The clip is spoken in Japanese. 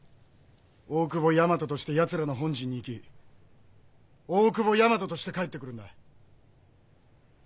大久保大和として奴らの本陣に行き大久保大和として帰ってくるんだ。